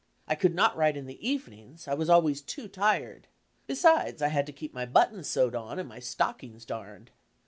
I could not write in the eve nings, I was always too tired. Besides, I had to keep my buttons sewed on and my stockings darned.